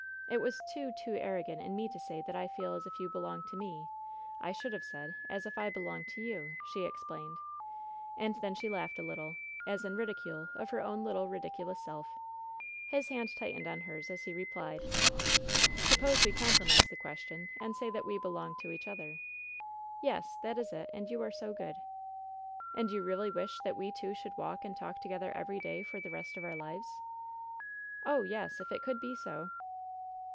It was too, too arrogant in me to say that I feel as you be longed to me. I should have said, as if I belonged to you,'' she explained. And then she laughed a little, as in ridicule of her own little ridiculous self. His hand tightened on hers as he replied: "Suppose we compromise the question and say that we belong to each other?" "Yes, that is it! And you are so good." '^And you really wish that we two should walk and talk together every day for the rest of our lives?" "Oh, yes; if it could be so!"